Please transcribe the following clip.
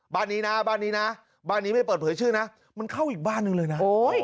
บ้านนี้นะบ้านนี้นะบ้านนี้ไม่เปิดเผยชื่อนะมันเข้าอีกบ้านหนึ่งเลยนะ